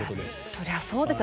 そりゃそうですよ。